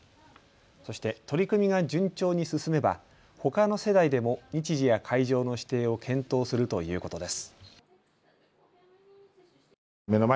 そして取り組みが順調に進めばほかの世代でも日時や会場の指定を検討するということです。